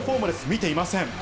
見ていません。